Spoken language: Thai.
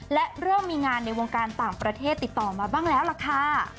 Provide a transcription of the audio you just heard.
และเริ่มมีงานในวงการต่างประเทศติดต่อมาบ้างแล้วล่ะค่ะ